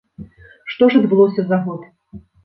Што ж адбылося за год?